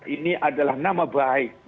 ini adalah nama baik